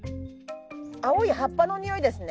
青い葉っぱのにおいですね。